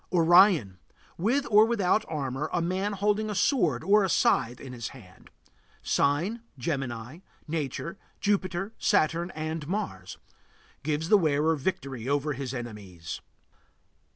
ORION. With or without armor, man holding a sword or a scythe in his hand. Sign: Gemini. Nature: Jupiter, Saturn, and Mars. Gives the wearer victory over his enemies.